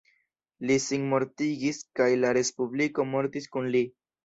Li sinmortigis kaj la Respubliko mortis kun li.